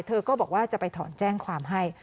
เธอก็บอกว่าจะไปถอนแจ้งความให้